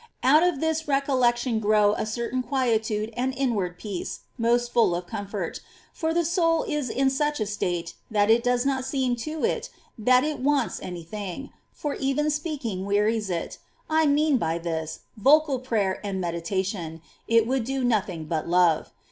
4. Out of this recollection grow a certain quietude qSIt^ °^^^^ inward peace most full of comfort ; for the soul is in such a state that it does not seem to it that it wants any thing ; for even speaking wearies it, — I mean by this, vocal prayer and meditation ; it would do nothing but love.